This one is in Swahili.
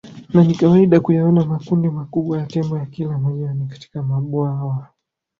Na ni kawaida kuyaona makundi makubwa ya Tembo ya kila majani katika mabwawa